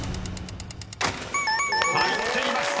［入っていました。